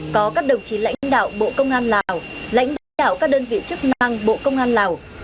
có các đồng chí lãnh đạo bộ công an lào lãnh đạo các đơn vị chức năng bộ công an lào